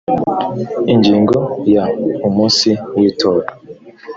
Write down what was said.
ingingo ya umunsi w itora